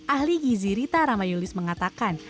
ahli gizi rita ramayulis mengatakan